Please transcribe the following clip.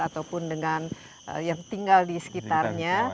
ataupun dengan yang tinggal di sekitarnya